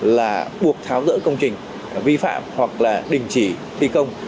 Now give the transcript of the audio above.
là buộc tháo rỡ công trình vi phạm hoặc là đình chỉ thi công